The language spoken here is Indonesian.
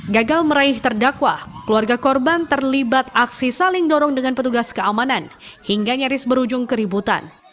gagal meraih terdakwa keluarga korban terlibat aksi saling dorong dengan petugas keamanan hingga nyaris berujung keributan